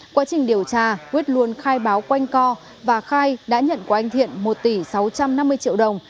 quá trình điều tra quyết luôn khai báo quanh co và khai đã nhận của anh thiện một tỷ sáu trăm năm mươi triệu đồng